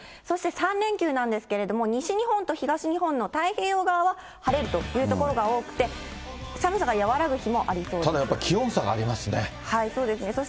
そして３連休なんですけれども、西日本と東日本の太平洋側は晴れるという所が多くて、ただやっぱり、気温差がありそうですね。